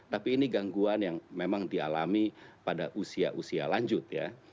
tapi ini gangguan yang memang dialami pada usia usia lanjut ya